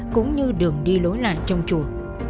cũng như đường đi lối lại trong chùa